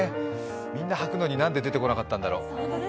履くのになんで出てこなかったんだろ。